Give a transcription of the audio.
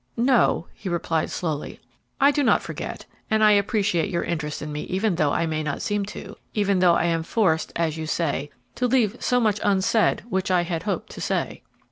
"No," he replied, slowly, "I do not forget; and I appreciate your interest in me even though I may not seem to, even though I am forced, as you say, to leave so much unsaid which I had hoped to say."